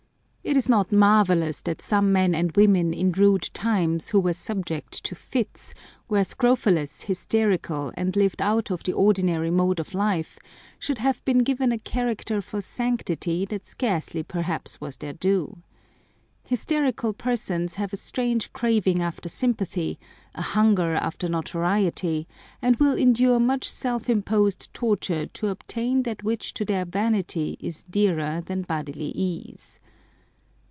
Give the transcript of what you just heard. It is not mar vellous that some men and women in rude times, who were subject to fits, were scrofulous, hysterical, and lived out of the ordinary mode of life, should have been given a character for sanctity that scarcely perhaps was their due. Hysterical persons have a strange craving after sympathy, a hunger after notoriety, and will endure much self imposed torture to obtain that which to their vanity is dearer than bodily ease.